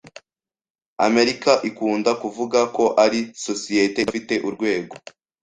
Amerika ikunda kuvuga ko ari societe "idafite urwego".